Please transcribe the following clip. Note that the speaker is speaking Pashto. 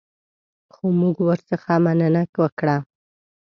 خو موږ ورڅخه مننه وکړه.